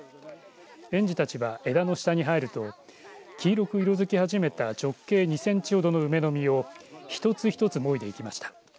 園児たちは枝の下に入ると黄色く色づき始めた直径２センチほどの梅の実を一つ一つもいでいきました。